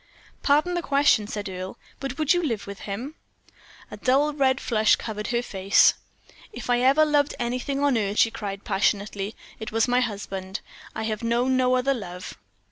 "Pardon the question," said Earle, "but would you live with him?" A dull red flush covered her face. "If ever I loved anything on earth," she cried, passionately, "it was my husband I have known no other love."